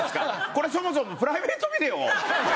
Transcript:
これそもそもプライベートビデオ？